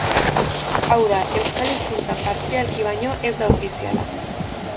Hau da, euskal hizkuntza partzialki baino ez da ofiziala.